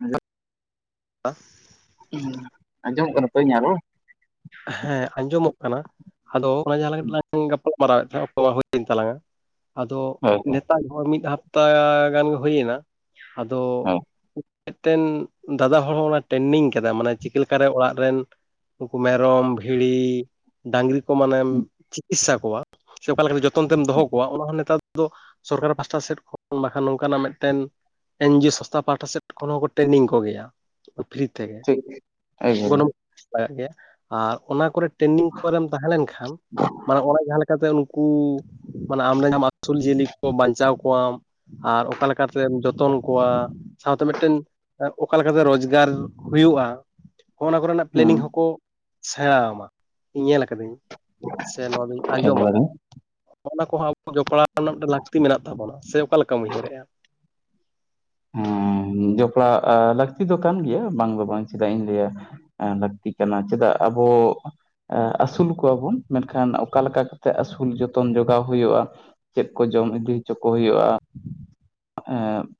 Hello [unintelligible] ᱦᱩᱸ ᱟᱸᱡᱚᱢᱚᱜ ᱠᱟᱱᱟ ᱛᱚ ᱤᱧᱟ ᱨᱚᱲ? ᱦᱮᱸ ᱟᱸᱡᱚᱢᱚᱜ ᱠᱟᱱᱟ ᱟᱫᱚ ᱚᱱᱟ ᱡᱟᱦᱟᱸ ᱞᱟᱝ ᱠᱟᱴᱤᱡᱞᱟᱝ [unintelligible] ᱢᱟᱨᱟᱳᱮᱫ ᱛᱟᱦᱮᱫ ᱛᱟᱦᱮᱸᱫ ᱚᱠᱛᱚ ᱢᱟ ᱦᱳᱭᱮᱱ ᱛᱟᱞᱟᱝᱟ ᱟᱫᱚ ᱦᱳᱭ ᱦᱳᱭ ᱱᱮᱛᱟᱜ ᱦᱚᱲ ᱢᱤᱫ ᱦᱟᱯ ᱛᱟ ᱜᱟᱱ ᱜᱮ ᱦᱩᱭ-ᱮᱱᱟ ᱟᱫᱚ ᱦᱳᱭ ᱢᱮᱫᱴᱮᱱ ᱫᱟᱫᱟ ᱦᱚᱲ ᱦᱚᱸ ᱚᱱᱟ ᱴᱮᱨᱱᱤᱝ ᱠᱟᱫᱟ ᱢᱟᱱᱮ ᱪᱤᱠᱟᱹᱞᱮᱠᱟ ᱨᱮ ᱚᱲᱟᱜ ᱨᱮᱱ ᱩᱱᱠᱩ ᱢᱮᱨᱚᱢ ᱵᱷᱤᱲᱤ ᱰᱟᱝᱨᱤ ᱠᱚ ᱢᱟᱱᱮᱢ ᱪᱤᱠᱤᱥᱥᱟ ᱠᱚᱣᱟ ᱥᱮ ᱚᱠᱟ ᱞᱮᱠᱟ ᱡᱚᱛᱚ ᱡᱚᱛᱚᱱ ᱛᱮᱢ ᱫᱚᱦᱚ ᱠᱚᱣᱟ ᱚᱱᱟ ᱦᱚᱸ ᱱᱮᱛᱟᱨ ᱫᱚ ᱥᱚᱨᱠᱟᱨ ᱯᱟᱥᱴᱟ ᱥᱮᱫ ᱠᱷᱚᱱ ᱵᱟᱠᱷᱟᱱ ᱱᱚᱝᱠᱟᱱᱟᱜ ᱢᱮᱫᱴᱮᱱ ᱮᱱᱡᱤᱭᱳ ᱥᱚᱥᱛᱷᱟ ᱯᱟᱦᱟᱴᱟ ᱥᱮᱫ ᱠᱷᱚᱱ ᱦᱚᱸ ᱠᱚ ᱴᱨᱮᱱᱤᱝ ᱠᱚᱜᱮᱭᱟ᱾ ᱯᱷᱤᱨᱤ ᱛᱮᱜᱮ ᱴᱷᱤᱠ ᱮᱠᱵᱟᱨᱮ ᱜᱚᱱᱚᱝ [inaudible] ᱞᱟᱜᱟᱜ ᱜᱮᱭᱟ ᱟᱨ ᱚᱱᱟ ᱠᱚᱨᱮ ᱴᱨᱮᱱᱤᱝ ᱠᱚᱨᱮᱢ ᱛᱟᱦᱮᱸ ᱞᱮᱱᱠᱷᱟᱱ ᱢᱟᱱᱮ ᱚᱱᱟᱸ ᱡᱟᱦᱟᱸ ᱞᱮᱠᱟᱛᱮ ᱱᱩ ᱠᱩ ᱢᱟᱱᱮ ᱟᱢ ᱨᱮᱱ ᱡᱟᱦᱟ ᱟᱹᱥᱩᱞ ᱡᱤᱭᱟᱹᱞᱤ ᱠᱚ ᱵᱟᱧᱪᱟᱣ ᱠᱚᱣᱟᱢ᱾ ᱟᱨ ᱚᱠᱟᱞᱮᱠᱟᱛᱮᱢ ᱡᱚᱛᱚᱱ ᱠᱚᱣᱟ, ᱥᱟᱶᱛᱮ ᱢᱤᱫᱴᱮᱱ ᱚᱠᱟ ᱞᱮᱠᱟᱛᱮ ᱨᱳᱡᱽᱜᱟᱨ ᱦᱩᱭᱩᱼᱟ ᱚᱱᱟ ᱠᱚᱨᱮᱱᱟᱜ ᱦᱮᱸ ᱯᱮᱞᱮᱱᱤᱝ ᱦᱚᱸᱠᱚ ᱥᱮᱬᱟ ᱟᱢᱟ ᱤᱧ ᱧᱮᱞ ᱠᱟᱹᱫᱟᱹᱧ ᱥᱮ ᱱᱚᱣᱟ ᱫᱚᱧ ᱟᱸᱡᱚᱢ ᱮᱠᱵᱟᱨᱮ ᱟᱠᱟᱜᱼᱟ᱾ ᱚᱱᱟ ᱠᱚᱦᱚᱸ ᱟᱵᱚ ᱡᱚᱯᱲᱟᱣ ᱨᱮᱱᱟᱜ ᱢᱮᱫᱴᱮᱱ ᱞᱟᱹᱠᱛᱤ ᱢᱮᱱᱟᱜ ᱛᱟᱵᱚᱱᱟ ᱥᱮ ᱚᱠᱟ ᱞᱮᱠᱟᱢ ᱩᱭᱦᱟᱹᱨᱮᱜᱼᱟ? ᱦᱩᱸ ᱡᱚᱯᱲᱟᱣ-ᱟ ᱞᱟᱹᱠᱛᱤ ᱫᱚ ᱠᱟᱱ ᱜᱮᱭᱟ ᱵᱟᱝ ᱫᱚ ᱵᱟᱝ ᱪᱮᱫᱟᱜ ᱤᱧ ᱞᱟᱹᱭᱟ᱾ ᱮᱸ ᱞᱟᱹᱠᱛᱤ ᱠᱟᱱᱟ ᱪᱮᱫᱟᱜ ᱟᱵᱚ ᱮ ᱟᱹᱥᱩᱞ ᱠᱚᱣᱟᱵᱚᱱ ᱢᱮᱱᱠᱷᱟᱱ ᱚᱠᱟ ᱞᱮᱠᱟ ᱠᱟᱛᱮᱜ ᱟᱹᱥᱩᱞ ᱡᱚᱛᱚᱱ ᱡᱚᱜᱟᱣ ᱦᱳᱭᱳᱼᱟ ᱪᱮᱫ ᱠᱚ ᱡᱚᱢ ᱤᱫᱤ ᱦᱚᱪᱚ ᱠᱚ ᱦᱳᱭᱳᱜᱼᱟ, ᱮ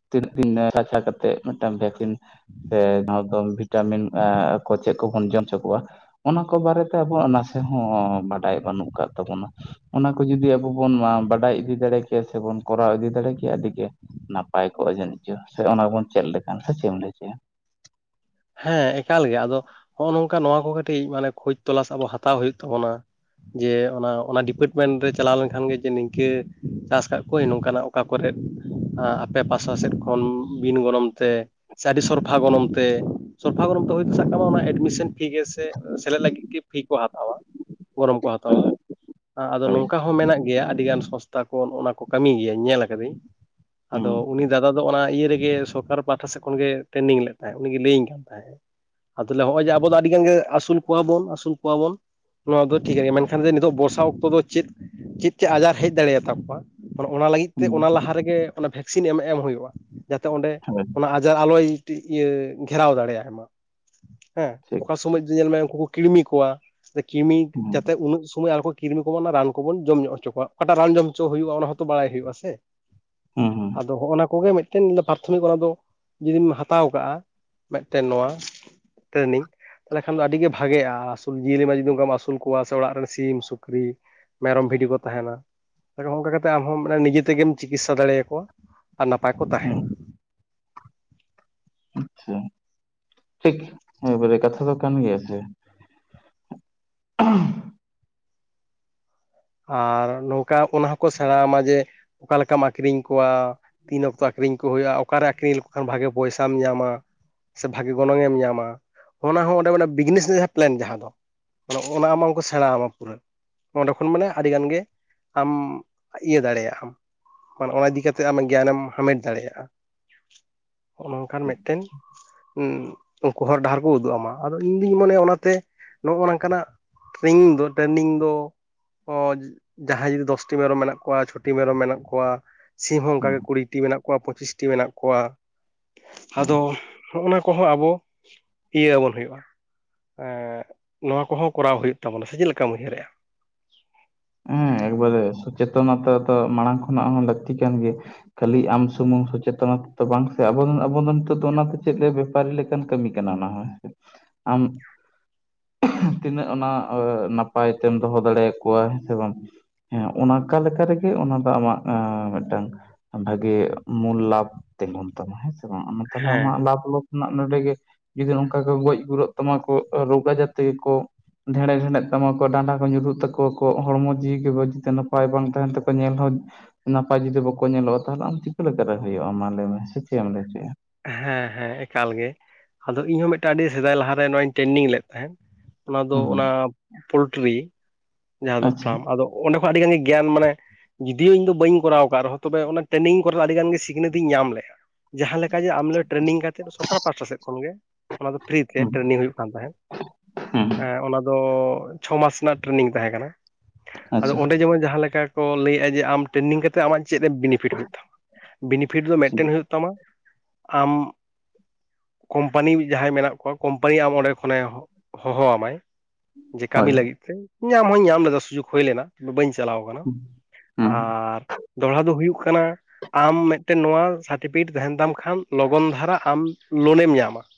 ᱛᱤᱱᱟᱜ ᱫᱤᱱ ᱮ ᱨᱟᱪᱟ ᱠᱟᱛᱮ ᱢᱮᱫᱴᱟᱝ ᱵᱷᱮᱠᱥᱤᱤᱱ ᱥᱮ ᱱᱚᱣᱟ ᱫᱚ ᱵᱷᱤᱴᱟᱢᱤᱱ ᱮ ᱠᱚ ᱪᱮᱫ ᱠᱚᱵᱚᱱ ᱡᱚᱢ ᱦᱚᱪᱚ ᱠᱚᱣᱟ ᱚᱱᱟ ᱠᱚ ᱵᱟᱨᱮᱛᱮ ᱟᱵᱚᱣᱟᱜ ᱱᱟᱥᱮ ᱦᱚᱸ ᱵᱟᱰᱟᱭ ᱵᱟᱹᱱᱩᱜ ᱠᱟᱜ ᱛᱟᱵᱚᱱᱟ᱾ ᱚᱱᱟ ᱠᱚ ᱡᱩᱫᱤ ᱟᱵᱚ ᱵᱚᱱ-ᱢᱟ ᱵᱟᱰᱟᱭ ᱤᱫᱤ ᱫᱟᱲᱮ ᱠᱮᱭᱟ ᱥᱮᱵᱚᱱ ᱠᱚᱨᱟᱣ ᱤᱫᱤ ᱫᱟᱲᱮ ᱠᱮᱭᱟ ᱟᱹᱰᱤᱜᱮ ᱱᱟᱯᱟᱭ ᱠᱚᱜᱼᱟ ᱡᱟᱱᱤᱪ ᱪᱚ ᱥᱮ ᱚᱱᱟ ᱵᱚᱱ ᱪᱮᱫ ᱞᱮᱠᱟᱱ ᱥᱮ ᱪᱮᱫ ᱮᱢ ᱞᱟᱹᱭ ᱦᱚᱪᱚᱭᱟ? ᱦᱮᱸ ᱮᱠᱟᱞ ᱜᱮ ᱟᱫᱚ ᱦᱚᱸᱜᱼᱚ ᱱᱚᱝᱠᱟ ᱱᱚᱣᱟ ᱠᱚ ᱠᱟᱹᱴᱤᱡ ᱢᱟᱱᱮ ᱠᱷᱚᱡᱽ ᱛᱚᱞᱟᱥ ᱟᱵᱚ ᱦᱟᱛᱟᱣ ᱦᱳᱭᱳᱜ ᱛᱟᱵᱚᱱᱟ᱾ ᱡᱮ ᱚᱱᱟ ᱚᱱᱟ ᱰᱤᱯᱮᱴᱢᱮᱱ ᱨᱮ ᱪᱟᱞᱟᱣ ᱞᱮᱱᱠᱷᱟᱱᱜ ᱡᱮ ᱱᱤᱝᱠᱟᱹ ᱪᱟᱥ ᱠᱟᱜ ᱠᱟᱜᱠᱳᱭᱟᱧ ᱱᱚᱝᱠᱟᱱᱟᱜ ᱚᱠᱟ ᱠᱚᱨᱮᱫ-ᱟ ᱟᱯᱮ ᱯᱟᱥᱴᱟ ᱥᱮᱫ ᱠᱷᱚᱱ ᱵᱤᱱ ᱜᱚᱱᱚᱝ ᱛᱮ ᱥᱮ ᱟᱹᱰᱤ ᱥᱚᱨᱚᱨᱯᱷᱟ ᱜᱚᱱᱚᱝ ᱛᱮ ᱥᱚᱨᱯᱷᱟ ᱜᱚᱱᱚᱢ ᱛᱮ ᱦᱩᱭ ᱥᱟᱵ ᱠᱟᱜ ᱢᱮ ᱚᱱᱟ ᱮᱰᱢᱤᱥᱚᱱ ᱯᱷᱤ ᱜᱮ ᱥᱮᱞᱮᱫ ᱞᱟᱹᱜᱤᱫ ᱜᱮ ᱯᱷᱤ ᱠᱚ ᱦᱟᱛ ᱜᱚᱱᱚᱢ ᱠᱚ ᱦᱟᱛᱟᱣᱟ ᱟᱫᱚ ᱦᱳᱭ ᱱᱚᱝᱠᱟ ᱦᱚᱸ ᱢᱮᱱᱟᱜ ᱜᱮᱭᱟ ᱟᱹᱰᱤᱜᱟᱱ ᱥᱚᱥ ᱛᱟ ᱚᱱᱟ ᱠᱚ ᱠᱟᱹᱢᱤ ᱜᱮᱭᱟᱹ ᱧᱮᱞ ᱟᱠᱟᱫᱟᱹᱧ ᱟᱫᱚ ᱦᱩᱸ ᱩᱱᱤ ᱫᱟᱫᱟ ᱟᱫᱚ ᱚᱱᱟ ᱤᱭᱟᱹ ᱨᱮᱜᱮ ᱥᱚᱨᱠᱟᱨ ᱯᱟᱦᱴᱟ ᱥᱮᱫ ᱠᱷᱚᱱᱜ ᱜᱮ ᱴᱨᱮᱱᱤᱝ ᱞᱮᱫ ᱛᱟᱦᱮᱸᱫ ᱩᱱᱤᱜᱮ ᱞᱟᱹᱭᱟᱹᱧ ᱠᱟᱱ ᱛᱟᱦᱮᱸᱱᱟ᱾ ᱦᱮ ᱟᱫᱩᱧ ᱞᱮ ᱟ ᱱᱚᱜᱼᱚᱭ ᱡᱮ ᱟᱵᱚ ᱫᱚ ᱟᱹᱰᱤ ᱜᱟᱱ ᱜᱮ ᱟᱹᱥᱩᱞ ᱠᱚᱣᱟ ᱵᱚᱱ ᱟᱹᱥᱩᱞ ᱠᱚᱣᱟ ᱵᱚᱱ ᱱᱚᱣᱟ ᱫᱚ ᱴᱷᱤᱠᱭᱟ ᱢᱮᱱᱠᱷᱟᱱ ᱱᱤᱛᱚᱜ ᱵᱚᱨᱥᱟ ᱚᱠᱛᱚ ᱫᱚ ᱪᱮᱫ ᱪᱮᱫ ᱪᱮᱫ ᱟᱡᱟᱨ ᱦᱮᱡ ᱫᱟᱲᱮᱭᱟᱛᱟ ᱠᱚᱣᱟ? ᱚᱱᱟ ᱞᱟᱹᱜᱤᱫ ᱛᱮ ᱚᱱᱟ ᱞᱟᱦᱟ ᱨᱮᱜᱮ ᱵᱷᱮᱠᱥᱤᱱ ᱮᱢ ᱮᱢ ᱦᱩᱭᱩᱜᱼᱟ ᱡᱟᱛᱮ ᱚᱸᱰᱮ ᱦᱳᱭ ᱟᱡᱟᱨ ᱟᱞᱚᱭ ᱤᱭᱟᱹ ᱜᱷᱮᱨᱟᱣ ᱫᱟᱲᱮᱭᱟᱭ ᱢᱟ ᱦᱮᱸ ᱴᱷᱤᱠ ᱚᱠᱟ ᱥᱚᱢᱚᱭ ᱡᱩ ᱧᱮᱞᱢᱮ ᱩᱱᱠᱩ ᱠᱤᱲᱢᱤ ᱠᱚᱣᱟ ᱠᱤᱢᱤ ᱦᱩᱸ ᱡᱟᱛᱮ ᱩᱱᱟᱹᱜ ᱥᱩᱢᱚᱭ ᱟᱨᱠᱚ ᱠᱤᱨᱢᱤ ᱠᱚᱵᱚ ᱚᱱᱟ ᱨᱟᱱ ᱠᱚᱵᱚᱱ ᱡᱚᱢ ᱧᱚᱜ ᱦᱚᱪᱚ ᱠᱚᱣᱟ ᱚᱠᱟᱴᱟᱜ ᱨᱟᱱ ᱡᱚᱢ ᱦᱚᱪᱚ ᱦᱩᱭᱩᱜᱼᱟ ᱚᱱᱟ ᱦᱚᱸᱛᱚ ᱵᱟᱲᱟᱭ ᱦᱩᱭᱩᱜᱼᱟ ᱥᱮ᱾ ᱦᱩᱸ ᱦᱩᱸ ᱟᱫᱚ ᱦᱚᱸᱜᱼᱚᱭ ᱱᱚᱣᱟ ᱠᱚᱜᱮ ᱢᱤᱫᱴᱮᱱ ᱯᱨᱟᱛᱷᱚᱢᱤᱠ ᱚᱱᱟ ᱫᱚ ᱡᱩᱫᱤᱢ ᱦᱟᱛᱟᱣ ᱠᱟᱜᱼᱟ᱾ ᱛᱮ ᱱᱚᱣᱟ ᱴᱨᱮᱱᱤᱝ, ᱛᱟᱦᱚᱞᱮ ᱠᱷᱟᱱ ᱫᱚ ᱟᱹᱰᱤᱜᱮ ᱵᱷᱟᱜᱮᱜᱼᱟ ᱟᱹᱥᱩᱞ ᱡᱤᱭᱟᱹᱞᱤ ᱡᱩᱫᱤ ᱚᱱᱠᱟᱢ ᱟᱹᱥᱩᱞ ᱠᱚᱣᱟ ᱥᱮ ᱚᱲᱟᱜ ᱨᱮᱱ ᱥᱤᱢ ᱥᱩᱠᱨᱤ ᱢᱮᱨᱚᱢ ᱵᱷᱤᱰᱤ ᱠᱚ ᱛᱟᱦᱮᱱᱟ ᱚᱱᱠᱟ ᱠᱟᱛᱮᱜ ᱟᱢᱦᱚᱸ ᱢᱟᱱᱮ ᱱᱤᱡᱮ ᱛᱮᱜᱮᱢ ᱪᱤᱠᱤᱛᱥᱟ ᱫᱟᱲᱮᱭᱟᱠᱚᱣᱟ᱾ ᱟᱨ ᱱᱟᱯᱟᱭ ᱠᱚ ᱛᱟᱦᱮᱱᱟ᱾ ᱦᱩᱸ ᱟᱪᱪᱷᱟ ᱴᱷᱤᱠ ᱮᱵᱟᱨᱮ ᱠᱟᱛᱷᱟ ᱫᱚ ᱠᱟᱱ ᱜᱮᱭᱟ ᱥᱮ᱾ ᱦ [inaudible] ᱟᱨ ᱱᱚᱝᱠᱟ ᱚᱱᱟ ᱦᱚᱸᱠᱚ ᱥᱮᱬᱟ ᱦᱟᱢᱟ ᱡᱮ ᱚᱠᱟ ᱞᱮᱠᱟᱢ ᱟᱠᱷᱨᱤᱧ ᱠᱚᱣᱟ, ᱛᱤᱱ ᱚᱠᱛᱚ ᱟᱠᱷᱨᱤᱧ ᱠᱚ ᱦᱩᱭᱩᱜᱼᱟ ᱚᱠᱟᱨᱮ ᱟᱠᱷᱨᱤᱧ ᱞᱮᱠᱚ ᱠᱷᱟᱱ ᱵᱷᱟᱜᱮ ᱯᱚᱭᱥᱟᱢ ᱧᱟᱢᱟ᱾ ᱥᱮ ᱵᱷᱟᱜᱤ ᱜᱚᱱᱚᱝ ᱮᱢ ᱧᱟᱢᱟ ᱚᱱᱟ ᱦᱚᱸ ᱚᱸᱰᱮ ᱵᱤᱡᱽᱱᱮᱥ ᱨᱮᱱᱟᱜ ᱡᱟᱦᱟᱸ ᱯᱞᱮᱱ ᱡᱟᱦᱟᱸ ᱫᱚ, ᱚᱱᱟ ᱟᱢ ᱠᱚ ᱥᱮᱬᱟ ᱟᱢᱟ ᱯᱩᱨᱟᱹ᱾ ᱛᱚᱠᱷᱚᱱ ᱢᱟᱱᱮ ᱟᱹᱰᱤ ᱜᱟᱱ ᱜᱮ ᱟᱢ ᱤᱭᱟᱹ ᱫᱟᱲᱮᱭᱟᱜ ᱟᱢ᱾ ᱢᱟᱱᱮ ᱚᱱᱟ ᱤᱫᱤ ᱠᱟᱛᱮ ᱟᱢᱟᱜ ᱜᱮᱭᱟᱱᱮᱢ ᱦᱟᱢᱮᱴ ᱫᱟᱲᱮᱭᱟᱜᱼᱟ᱾ ᱦᱚᱸᱜᱼᱚ ᱱᱚᱝᱠᱟᱱ ᱴᱷᱤᱠ ᱢᱤᱫᱴᱮᱱ ᱩᱱᱠᱩ ᱦᱚᱨ ᱰᱟᱦᱟᱨ ᱠᱚ ᱩᱫᱩᱜ ᱟᱢᱟ ᱟᱫᱚ ᱤᱧᱫᱩᱧ ᱢᱚᱱᱮᱭᱟ ᱚᱱᱟᱛᱮ ᱱᱚᱜᱼᱚ ᱱᱚᱝᱠᱟᱱᱟᱜ, ᱴᱨᱤᱝ ᱫᱚ ᱴᱨᱮᱱᱤᱝ ᱫᱚ, ᱡᱟᱦᱟᱸᱭ ᱡᱩᱫᱤ ᱫᱚᱥᱴᱤ ᱢᱮᱨᱚᱢ ᱢᱮᱱᱟᱜ ᱠᱚᱣᱟ, ᱪᱷᱚᱴᱤ ᱢᱮᱨᱚᱢ ᱢᱮᱱᱟᱜ ᱠᱚᱣᱟ, ᱥᱤᱢ ᱦᱚᱸ ᱚᱱᱠᱟᱜ ᱦᱩᱸ ᱜᱮ ᱠᱩᱲᱤ ᱴᱤ ᱢᱮᱱᱟᱜ ᱠᱚᱣᱟ ᱯᱚᱸᱪᱤᱥᱴᱤ ᱢᱮᱱᱟᱜ ᱠᱚᱣᱟ ᱦᱩᱸ ᱟᱫᱚ ᱦᱚᱸᱜᱼ ᱱᱟ ᱠᱚᱦᱚᱸ ᱟᱵᱚ ᱤᱭᱟᱹ ᱟᱵᱚᱱ ᱦᱩᱭᱩᱜᱼᱟ᱾ ᱱᱚᱣᱟ ᱠᱚᱦᱚᱸ ᱠᱚᱨᱟᱣ ᱦᱩᱭᱩᱜ ᱛᱟᱵᱚᱱᱟ ᱥᱮ ᱪᱮᱫ ᱞᱮᱠᱟᱢ ᱩᱭᱦᱟᱹᱨᱮᱜᱼᱟ᱾ ᱦᱮᱸ ᱮᱠᱵᱟᱨᱮ ᱥᱚᱪᱮᱛᱚᱱᱚᱛᱟ ᱫᱚ ᱢᱟᱲᱟᱝ ᱠᱷᱚᱱᱟᱜ ᱦᱚᱸ ᱞᱟᱹᱠᱛᱤ ᱠᱟᱱ ᱜᱮᱭᱟ᱾ ᱠᱷᱟᱹᱞᱤ ᱟᱢ ᱥᱩᱢᱩᱝ ᱥᱚᱪᱮᱛᱚ ᱛᱮᱫᱚ ᱵᱟᱝ ᱥᱮ ᱟ ᱟᱵᱚ ᱫᱚ ᱱᱤᱛ ᱚᱱᱟᱛᱮ ᱪᱮᱫ ᱞᱮ ᱵᱮᱯᱟᱨᱤ ᱞᱮ ᱠᱟᱱ ᱠᱟᱹᱢᱤ ᱠᱟᱱᱟ ᱚᱱᱟ ᱦᱚᱸ ᱟᱢ ᱛᱤᱱᱟᱹᱜ ᱚᱱᱟ ᱱᱟᱯᱟᱭ ᱛᱮᱢ ᱫᱚᱦᱚ ᱫᱟᱲᱮᱭᱟᱠᱚᱣᱟ, ᱥᱮ ᱵᱟᱝ ᱦᱮᱸ ᱚᱱᱠᱟ ᱞᱮᱠᱟ ᱨᱮᱜᱮ ᱚᱱᱟ ᱫᱚ ᱟᱢᱟᱜ ᱢᱤᱫᱴᱟᱝ, ᱵᱷᱟᱜᱤ ᱢᱩᱞ ᱞᱟᱵᱷ ᱛᱤᱸᱜᱩᱱ ᱛᱟᱢᱟ ᱦᱮᱸᱥᱮ ᱵᱟᱝ ᱛᱟᱦᱞᱮ ᱦᱮᱸ ᱟᱢᱟᱜ ᱞᱟᱵᱷ ᱱᱟᱜ ᱱᱚᱰᱮ ᱜᱮ ᱡᱩᱫᱤ ᱱᱚᱝᱠᱟ ᱠᱚ ᱜᱚᱡ ᱜᱩᱨᱚᱜ ᱛᱟᱢᱟ ᱠᱚ ᱨᱳᱜ ᱡᱟᱛᱮ ᱜᱮᱠᱚ ᱰᱷᱮᱲᱮ ᱰᱮᱲᱦᱮᱫ ᱛᱟᱢᱟᱠᱚ ᱰᱟᱸᱰᱟ ᱠᱚ ᱧᱩᱨᱩᱜ ᱛᱟᱠᱚᱣᱟ᱾ ᱟᱠᱚᱣᱟᱜ ᱦᱚᱲᱢᱚ ᱡᱤᱣᱤᱮ ᱜᱮ ᱡᱚᱫᱤ ᱱᱟᱯᱟᱭ ᱵᱟᱝ ᱛᱟᱦᱮᱱ ᱛᱟᱠᱚᱣᱟ ᱧᱮᱞ ᱦᱚᱸ ᱱᱟᱯᱟᱭ ᱡᱩᱫᱤ ᱵᱟᱠᱚ ᱧᱮᱞᱚᱜᱼᱟ ᱛᱟᱦᱚᱞᱮ ᱟᱢ ᱪᱤᱠᱟᱹ ᱞᱮᱠᱟᱨᱮ ᱦᱩᱭᱩᱜᱼᱟ ᱢᱟ ᱞᱟᱹᱭ ᱢᱮ ᱥᱮ ᱪᱮᱫ ᱮᱢ ᱞᱟᱹᱭ ᱞᱮᱪᱚᱭᱟ᱾ ᱦᱮᱸ ᱦᱮᱸ ᱮᱠᱟᱞ ᱜᱮ ᱟᱫᱚ ᱤᱧᱦᱚᱸ ᱢᱤᱫᱴᱟᱝ ᱟᱹᱰᱤ ᱥᱮᱫᱟᱭ ᱞᱟᱦᱟᱨᱮ ᱱᱚᱣᱟᱧ ᱴᱨᱮᱱᱤᱝ ᱞᱮᱫ ᱛᱟᱦᱮᱸᱫ, ᱚᱱᱟ ᱫᱚ ᱦᱩᱸ ᱦᱩᱸ ᱚᱱᱟ ᱯᱳᱞᱴᱨᱤ ᱡᱟᱦᱟᱸ ᱫᱚ ᱟᱪᱪᱷᱟ ᱯᱷᱟᱨᱢ ᱟᱫᱚ ᱚᱸᱰᱮ ᱠᱷᱚᱱ ᱟᱹᱰᱤ ᱜᱟᱱ ᱜᱮ ᱜᱮᱭᱟᱱ ᱢᱟᱱᱮ ᱡᱩᱫᱤᱭᱳ ᱤᱧ ᱫᱚ ᱵᱟᱹᱧ ᱠᱚᱨᱟᱣ ᱟᱠᱟᱫ ᱨᱮᱦᱚᱸ ᱛᱚᱵᱮ ᱚᱱᱟ ᱴᱨᱮᱱᱤᱝ ᱠᱚᱨᱮ ᱟᱹᱰᱤ ᱜᱟᱱ ᱜᱮ ᱥᱤᱠᱷᱱᱟᱹᱛ ᱤᱧ ᱧᱟᱢ ᱞᱮᱜᱼᱟ ᱡᱟᱦᱟᱸ ᱞᱮᱠᱟ ᱚᱱᱠᱟ ᱜᱮ ᱟᱢᱞᱮ ᱴᱨᱮᱱᱤᱝ ᱠᱟᱛᱮᱫ ᱥᱚᱨᱠᱟᱨ ᱯᱟᱦᱟᱴᱟ ᱥᱮᱫ ᱠᱷᱚᱱᱜᱮ ᱚᱱᱟ ᱯᱷᱤᱨᱤ ᱛᱮ ᱦᱩᱸ ᱴᱨᱮᱱᱤᱝ ᱦᱩᱭᱩᱜ ᱠᱟᱱ ᱛᱟᱦᱮᱸᱫ, ᱦᱩᱸ ᱮᱸ ᱚᱱᱟ ᱫᱚ ᱪᱷᱚ ᱢᱟᱥ ᱨᱮᱱᱟᱜ ᱴᱨᱮᱱᱤᱝ ᱛᱟᱦᱮᱸ ᱠᱟᱱᱟ᱾ ᱟᱫᱚ ᱟᱪᱪᱷᱟ ᱚᱸᱰᱮ ᱡᱮᱢᱚᱱ ᱡᱟᱦᱟᱸᱞᱮᱠᱟ ᱠᱚ ᱞᱟᱹᱭᱮᱫᱼᱟ ᱡᱮ ᱟᱢ ᱴᱨᱮᱱᱤᱝ ᱠᱟᱛᱮᱫ ᱟᱢᱟᱜ ᱪᱮᱫ ᱵᱤᱱᱤᱯᱷᱤᱴ ᱦᱩᱭᱩᱜ ᱛᱟᱢᱟ ᱵᱤᱱᱤᱯᱷᱤᱴ ᱫᱚ ᱢᱤᱫᱴᱮᱱ ᱦᱩᱭᱩᱜ ᱛᱟᱢᱟ ᱟᱢ ᱠᱳᱢᱯᱟᱱᱤ ᱡᱟᱦᱟᱸᱭ ᱢᱮᱱᱟᱜ ᱠᱚᱣᱟ ᱠᱳᱢᱯᱟᱱᱤ ᱟᱢ ᱚᱸᱰᱮ ᱠᱷᱚᱱᱮ ᱦᱚᱦᱚ ᱟᱢᱟᱭ ᱡᱮ ᱠᱟᱹᱢᱤ ᱦᱳᱭ ᱞᱟᱹᱜᱤᱫ ᱛᱮ ᱧᱟᱢ ᱦᱚᱧ ᱧᱟᱢ ᱞᱮᱫᱟ ᱥᱩᱡᱳᱜᱽ ᱦᱩᱭ ᱞᱮᱱᱟ, ᱵᱟᱹᱧ ᱪᱟᱞᱟᱣ ᱠᱟᱱᱟ ᱦᱩᱸ ᱦᱩᱸ ᱟᱨ ᱫᱚᱦᱲᱟ ᱫᱚ ᱦᱩᱭᱩᱜ ᱠᱟᱱᱟ ᱟᱢ ᱢᱤᱫᱴᱮᱱ ᱱᱚᱣᱟ ᱥᱟᱨᱴᱤᱯᱷᱤᱠᱮᱴ ᱛᱟᱦᱮᱱ ᱛᱟᱢ ᱠᱷᱟᱱ ᱟᱢ ᱞᱚᱜᱚᱱ ᱫᱷᱟᱨᱟ, ᱟᱢ ᱞᱳᱱᱮᱢ ᱧᱟᱢᱟ ᱾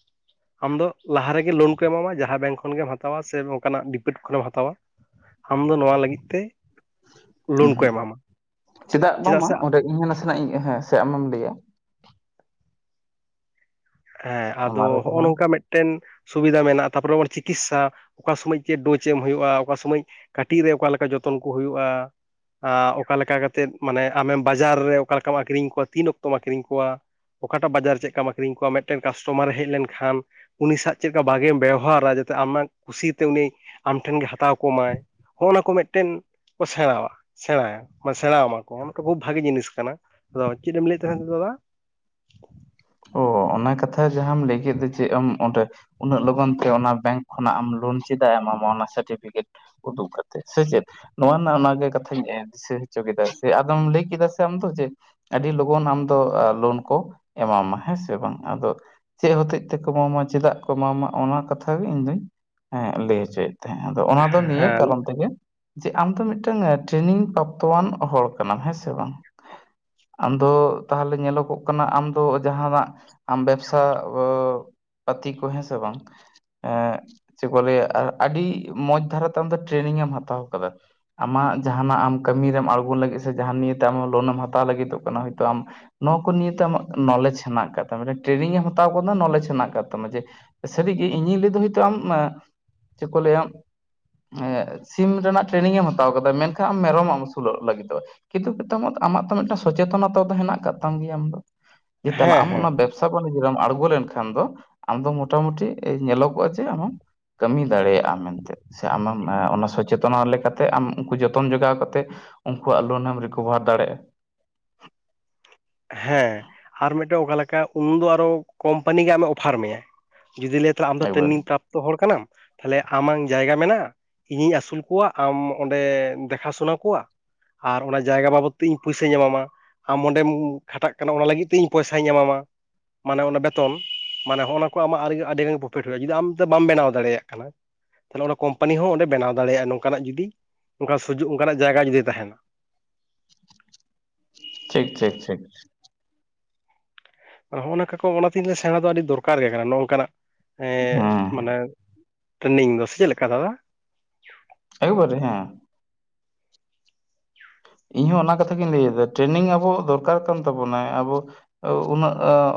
ᱟᱢ ᱫᱚ, ᱞᱟᱦᱟ ᱨᱮᱜᱮ, ᱞᱳᱱ ᱠᱚ ᱮᱢᱟᱢᱟ ᱾ ᱡᱟᱦᱟᱸ ᱵᱮᱝᱠ ᱠᱷᱚᱱ ᱜᱮᱢ, ᱦᱟᱛᱟᱣᱟ, ᱥᱮ ᱚᱱᱠᱟᱱᱟᱜ, ᱰᱤᱯᱤᱴ ᱠᱷᱚᱱᱮᱢ, ᱦᱟᱛᱟᱣᱟ ᱾ ᱟᱢ ᱫᱚ, ᱱᱚᱣᱟ ᱞᱟᱹᱜᱤᱫ ᱛᱮ ᱾ ᱩᱸᱻᱦᱩᱸᱜ, ᱪᱮᱫᱟᱜ ᱵᱟᱝᱢᱟ? ᱚᱸᱰᱮ ᱤᱧ ᱦᱚᱸ, ᱱᱟᱥᱮ ᱱᱟᱜ ᱦᱮᱸᱥᱮ, ᱟᱢᱮᱢ ᱞᱟᱹᱭᱟ ᱦᱮᱸᱼ ᱟᱫᱚ, ᱢᱟ ᱞᱟᱹᱭ ᱱᱚᱜᱼᱚ ᱛᱟᱞᱟᱝ ᱢᱮ ᱱᱚᱝᱠᱟ, ᱢᱤᱫᱴᱮᱱ ᱥᱩᱵᱤᱫᱟ ᱢᱮᱱᱟᱜᱼᱟ᱾ ᱛᱟᱯᱚᱨᱮ ᱪᱤᱠᱤᱛᱥᱟ ᱚᱠᱟ ᱥᱚᱢᱚᱭ ᱪᱮᱫ? ᱰᱚᱡ, ᱮᱢ ᱦᱩᱭᱩᱜᱼᱟ ᱾ ᱚᱠᱟ ᱥᱚᱢᱚᱭ ᱠᱟᱹᱴᱤᱡ ᱨᱮ, ᱚᱠᱟ ᱞᱮᱠᱟ ᱡᱚᱛᱚᱱ ᱠᱚ, ᱦᱩᱭᱩᱜᱼᱟ ᱾ ᱟᱼ ᱚᱠᱟ ᱞᱮᱠᱟ ᱠᱟᱛᱮᱫ, ᱢᱟᱱᱮ, ᱟᱢᱮᱢ ᱵᱟᱡᱟᱨ ᱨᱮ, ᱚᱠᱟ ᱞᱮᱠᱟᱢ ᱟᱹᱠᱷᱨᱤᱧ ᱠᱚᱣᱟ, ᱛᱤᱱ ᱚᱠᱛᱚᱢ, ᱟᱹᱠᱷᱨᱤᱧ ᱠᱚᱣᱟ ᱾ ᱚᱠᱟᱴᱟᱜ ᱵᱟᱡᱟᱨ, ᱪᱮᱫ ᱞᱮᱠᱟᱢ ᱟᱹᱠᱷᱨᱤᱧ ᱠᱚᱣᱟ ᱾ ᱢᱤᱫᱴᱮᱱ ᱠᱟᱥᱴᱚᱢᱟᱨᱮ ᱦᱮᱡ, ᱞᱮᱱᱠᱷᱟᱱ ᱩᱱᱤ ᱥᱟᱶ ᱪᱮᱫ ᱞᱮᱠᱟ? ᱵᱷᱟᱜᱮᱢ ᱵᱮᱣᱦᱟᱨᱟ ᱾ ᱡᱟᱛᱮ ᱟᱢᱟᱜ ᱠᱩᱥᱤ ᱠᱟᱛᱮ, ᱩᱱᱤ, ᱟᱢ ᱴᱷᱮᱱ ᱜᱮ, ᱦᱟᱛᱟᱣ ᱠᱚᱢᱟᱭ ᱾ ᱦᱚᱜᱼ ᱱᱟ ᱠᱚ, ᱢᱤᱫᱴᱮᱱ ᱠᱚ, ᱥᱮᱬᱟᱣᱟ, ᱥᱮᱬᱟᱭᱟ, ᱥᱮᱬᱟᱣᱟᱢᱟᱠᱚ, ᱠᱷᱩᱵ ᱵᱷᱟᱜᱤ, ᱡᱤᱱᱤᱥ ᱠᱟᱱᱟ ᱾ ᱟᱫᱚ, ᱪᱮᱫ? ᱮᱢ ᱞᱟᱹᱭ ᱮᱫ ᱛᱟᱦᱮᱸ ᱛᱚ, ᱫᱟᱫᱟ? ᱚᱼ ᱚᱱᱟ, ᱠᱟᱛᱷᱟ, ᱡᱟᱦᱟᱸᱟᱢ ᱞᱟᱹᱭ ᱠᱮᱫ ᱫᱚ, ᱪᱮᱫ ᱮᱢ, ᱚᱸᱰᱮ ᱩᱱᱟᱹᱜ ᱞᱚᱜᱚᱱ ᱛᱮ, ᱚᱱᱟ ᱵᱮᱝᱠ ᱠᱷᱚᱱᱟᱜ, ᱟᱢ ᱞᱳᱱ ᱪᱮᱫᱟᱜ? ᱮ ᱮᱢᱟᱢᱟ ᱾ ᱚᱱᱟ ᱥᱟᱨᱴᱤᱚᱯᱷᱤᱠᱮᱴ ᱩᱫᱩᱜ ᱠᱟᱛᱮ, ᱥᱮ ᱪᱮᱫ? ᱱᱚᱣᱟ ᱨᱮᱱᱟᱜ, ᱚᱱᱟᱜᱮ ᱠᱟᱛᱷᱟᱧ ᱫᱤᱥᱟᱹ ᱦᱚᱪᱚ ᱠᱮᱫᱟ, ᱥᱮ ᱟᱫᱚᱢ ᱞᱟᱹᱭ ᱠᱮᱫᱟ, ᱥᱮ ᱟᱢ ᱫᱚ, ᱡᱮ ᱟᱹᱰᱤ, ᱞᱚᱜᱚᱱ ᱟᱢ ᱫᱚ, ᱞᱳᱱ ᱠᱚ ᱮᱢᱟᱢᱟ, ᱦᱮᱸ ᱥᱮ ᱵᱟᱝ? ᱟᱫᱚ, ᱪᱮᱫ ᱦᱚᱛᱮᱡ ᱛᱮᱠᱚ, ᱮᱢᱟᱢᱟ ᱾ ᱪᱮᱫᱟᱜ ᱠᱚ, ᱮᱢᱟᱢᱟ ᱾ ᱚᱱᱟ ᱠᱟᱛᱷᱟ ᱜᱮ, ᱤᱧ ᱫᱩᱧ ᱞᱟᱹᱭ ᱦᱚᱪᱚᱭᱮᱫ ᱟᱫᱚ, ᱚᱱᱟ ᱫᱚ, ᱱᱤᱭᱟᱹ ᱦᱮᱸ ᱠᱟᱨᱚᱱ ᱛᱮᱜᱮ ᱪᱮ, ᱟᱢ ᱫᱚ, ᱢᱤᱫᱴᱟᱝ ᱴᱨᱮᱱᱤᱝ ᱯᱨᱟᱯᱛᱚᱣᱟᱱ ᱦᱚᱲ ᱠᱟᱱᱟᱢ, ᱦᱮᱸ ᱥᱮ ᱵᱟᱝ? ᱟᱢᱫᱚ, ᱛᱟᱦᱚᱞᱮ ᱧᱮᱞᱚᱜᱚᱜ ᱠᱟᱱᱟ, ᱟᱢ ᱛᱚ, ᱡᱟᱦᱟᱸᱱᱟᱜ, ᱟᱢ ᱵᱮᱵᱥᱟ ᱚᱻ ᱯᱟᱹᱛᱤ ᱠᱚ, ᱦᱮᱸ ᱥᱮ ᱵᱟᱝ? ᱮᱸᱻ ᱪᱮᱫ ᱠᱚ, ᱞᱟᱹᱭᱟ ᱾ ᱟᱹᱰᱤ ᱢᱚᱸᱡᱽ ᱫᱷᱟᱨᱟᱛᱮ, ᱟᱢᱫᱚ ᱴᱨᱮᱱᱤᱝ ᱮᱢ, ᱦᱟᱛᱟᱣ ᱟᱠᱟᱫᱟ ᱾ ᱟᱢᱟᱜ ᱡᱟᱦᱸᱟᱱᱟᱜ, ᱟᱢ ᱠᱟᱹᱢᱤᱨᱮᱢ ᱟᱬᱜᱳ ᱞᱟᱹᱜᱤᱫ ᱥᱮ, ᱡᱟᱦᱟᱸ ᱱᱤᱭᱮᱛᱮ, ᱟᱢᱟᱜ, ᱞᱳᱱᱮᱢ ᱦᱟᱛᱟᱣ ᱞᱟᱹᱜᱤᱫᱚᱜ ᱠᱟᱱᱟ, ᱦᱳᱭ ᱛᱳ, ᱟᱢ ᱱᱚᱣᱟ ᱠᱚ ᱱᱤᱭᱮ ᱛᱮ ᱟᱢᱟᱜ, ᱱᱚᱞᱮᱡᱽ ᱦᱮᱱᱟᱜ ᱟᱠᱟᱫ ᱛᱟᱢᱟ, ᱴᱨᱮᱱᱤᱝ ᱮᱢ ᱦᱟᱛᱟᱣ ᱟᱠᱟᱫᱟ, ᱱᱚᱞᱮᱡᱽ ᱦᱮᱱᱟᱜ ᱟᱠᱟᱫ ᱛᱟᱢᱟ, ᱡᱮ, ᱥᱟᱹᱨᱤ ᱜᱮ, ᱤᱧᱤᱧ ᱞᱟᱹᱭ ᱫᱷᱟᱵᱤᱡ ᱫᱚ, ᱟᱢ ᱪᱮᱫ ᱠᱚ ᱞᱟᱹᱭᱟ? ᱮᱸᱼᱟ, ᱥᱤᱢ ᱨᱮᱱᱟᱜ, ᱴᱨᱮᱱᱤᱝ ᱮᱢ ᱦᱟᱛᱟᱣ ᱟᱠᱟᱫᱟ ᱾ ᱢᱮᱱᱠᱷᱟᱱ, ᱟᱢ ᱢᱮᱨᱚᱢ ᱮᱢ, ᱟᱹᱥᱩᱞᱚᱜ ᱞᱟᱹᱜᱤᱫᱚᱜᱼᱟ ᱾ ᱠᱤᱱᱛᱩ, ᱯᱤ [unintelligible] ᱟᱢᱟ ᱟᱢᱟᱜ ᱛᱚ, ᱢᱤᱫᱴᱟᱝ ᱥᱚᱪᱮᱛᱚᱱᱚᱛᱟ ᱫᱚ, ᱦᱮᱱᱟᱜ ᱟᱠᱟᱫ, ᱛᱟᱢ ᱜᱮᱭᱟ, ᱟᱢ ᱫᱚ, ᱫᱮᱞᱟ ᱦᱮᱸ ᱟᱢ ᱦᱮᱸ ᱦᱮᱸ ᱚᱱᱟ ᱵᱮᱵ ᱥᱟᱵᱟᱱᱩ ᱜᱨᱟᱢ ᱟᱬᱜᱚ ᱞᱮᱱᱠᱷᱟᱱ ᱫᱚ, ᱟᱢ ᱫᱚ ᱢᱚᱴᱟ ᱢᱩᱴᱤ ᱮᱡᱽ ᱧᱮᱞᱚᱜᱚᱜᱼᱟ ᱾ ᱡᱮ, ᱟᱢ ᱦᱚ ᱠᱟᱹᱢᱤ, ᱫᱟᱲᱮᱭᱟᱜᱼᱟᱢ ᱢᱮᱱᱛᱮ ᱾ ᱥᱮ ᱟᱢᱮᱢ, ᱚᱱᱟ ᱥᱚᱪᱮᱛᱚᱱᱟ ᱞᱮᱠᱟᱛᱮ, ᱟᱢ ᱩᱱᱠᱩ, ᱡᱚᱛᱚᱱ ᱡᱚᱜᱟᱣ ᱠᱟᱛᱮ ᱩᱱᱠᱩᱣᱟᱜ, ᱞᱳᱱᱮᱢ, ᱨᱤᱠᱵᱷᱟᱨ ᱫᱟᱲᱮᱭᱟᱜᱼᱟ ᱾ ᱦᱮᱸᱻ, ᱟᱨ ᱢᱤᱫᱴᱮᱱ ᱚᱠᱟ, ᱞᱮᱠᱟ, ᱩᱱᱫᱚ ᱟᱨᱚ, ᱠᱳᱢᱯᱟᱱᱤ ᱜᱮ, ᱟᱢᱮ ᱚᱯᱷᱟᱨ ᱢᱮᱭᱟ, ᱡᱩᱫᱤ ᱞᱮ ᱛᱟᱦᱚᱞᱮ, ᱟᱢ ᱫᱚ, ᱮᱠᱵᱟᱨᱮ ᱴᱨᱮᱱᱤᱝ ᱯᱨᱟᱯᱛᱚ ᱦᱚᱲ ᱠᱟᱱᱟᱢ ᱾ ᱛᱟᱦᱞᱮ, ᱟᱢᱟᱝ ᱡᱟᱭᱜᱟ ᱢᱮᱱᱟᱜᱼᱟ, ᱤᱧᱤᱧ ᱟᱹᱥᱩᱞ ᱠᱚᱣᱟ, ᱟᱢ ᱚᱸᱰᱮ ᱫᱮᱠᱷᱟ ᱥᱩᱱᱟ ᱠᱚᱣᱟ ᱾ ᱟᱨ ᱚᱱᱟ, ᱡᱟᱭᱜᱟ ᱵᱟᱵᱚᱛ ᱛᱮ, ᱤᱧ ᱯᱚᱭᱥᱟᱹᱧ ᱮᱢᱟᱢᱟ, ᱟᱢ ᱚᱸᱰᱮᱢ ᱠᱷᱟᱴᱟᱜ ᱠᱟᱱᱟᱢ, ᱚᱱᱟ ᱞᱟᱹᱜᱤᱫ ᱛᱮ, ᱤᱧ ᱯᱚᱭᱥᱟᱧ ᱮᱢᱟᱢᱟ ᱾ ᱢᱟᱱᱮ, ᱚᱱᱟ ᱵᱮᱛᱚᱱ, ᱢᱟᱱᱮ, ᱦᱚᱜᱼᱚ ᱱᱟ ᱠᱚ, ᱟᱢᱟᱜ ᱟᱨ ᱟᱹᱰᱤᱜᱟᱱ ᱯᱨᱚᱯᱷᱤᱴ ᱦᱩᱭᱩᱜᱼᱟ ᱾ ᱡᱩᱫᱤ ᱟᱢ ᱛᱮ ᱵᱟᱢ ᱵᱮᱱᱟᱣ ᱫᱟᱲᱮᱭᱟᱜ ᱠᱟᱱᱟ ᱾ ᱛᱟᱦᱚᱞᱮ, ᱚᱱᱟ ᱠᱳᱢᱯᱟᱱᱤ ᱦᱚᱸ, ᱚᱸᱰᱮ ᱵᱮᱱᱟᱣ ᱫᱟᱲᱮᱭᱟᱜᱼᱟ ᱾ ᱱᱚᱝᱠᱟᱱᱟᱜ ᱡᱩᱫᱤ, ᱱᱚᱝᱠᱟ ᱥᱩᱡᱳᱜᱽ, ᱚᱱᱠᱟᱱᱟᱜ ᱡᱟᱭᱜᱟ, ᱡᱩᱫᱤ ᱛᱟᱦᱮᱱᱟ ᱾ ᱴᱷᱤᱠ, ᱴᱷᱤᱠ, ᱴᱷᱤᱠ ᱾ ᱦᱚᱜᱼᱱᱟ, ᱱᱚᱠᱟ ᱠᱚ, ᱚᱱᱟᱛᱮᱧ ᱥᱮᱬᱟ ᱫᱚ, ᱟᱹᱰᱤ ᱫᱚᱨᱠᱟᱨ ᱜᱮ ᱠᱟᱱᱟ ᱾ ᱱᱚᱜᱼ ᱱᱚᱝᱠᱟ ᱱᱟᱜ ᱮᱸᱻ ᱦᱮᱸ ᱢᱟᱱᱮ, ᱴᱨᱮᱱᱤᱝ ᱫᱚ, ᱥᱮ ᱪᱮᱫ ᱞᱮᱠᱟ ᱫᱟᱫᱟ? ᱮᱠᱵᱟᱨ ᱨᱮ, ᱦᱮᱸᱻ ᱾ ᱤᱧᱦᱚᱸ ᱚᱱᱟ, ᱠᱟᱛᱷᱟ ᱜᱤᱧ, ᱞᱟᱹᱭ ᱮᱫᱟ ᱾ ᱴᱨᱮᱱᱤᱝ ᱟᱵᱚ ᱫᱚᱨᱠᱟᱨ ᱠᱟᱱ, ᱛᱟᱵᱚᱱᱟᱭ, ᱟᱵᱚ ᱩᱱᱟᱹᱜ,